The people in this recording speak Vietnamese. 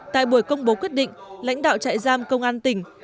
tại buổi công bố quyết định lãnh đạo trại giam công an tỉnh